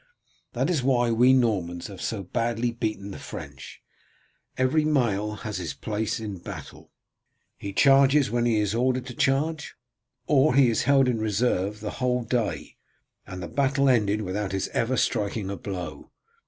That is why we Normans have so badly beaten the French. Every mail has his place in battle. He charges when he is ordered to charge, or he is held in reserve the whole day, and the battle ended without his ever striking a blow.